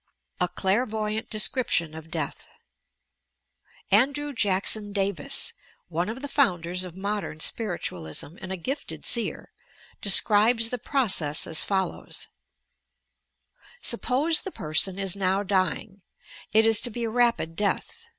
A CLAffiVOYANT DESCBIPrrON OP DEATH Andrew Jaekson Davig, one of the founders of Mod ern Spiritualism, and a gifted seer, deacribes the process as follows: — "Suppose the person is now dying, it is to be a rapid death.